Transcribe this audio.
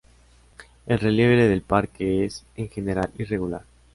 El relieve del parque es, en general, irregular.